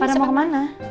pada mau kemana